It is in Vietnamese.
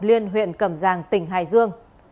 liên huyện cầm giang tỉnh hải dương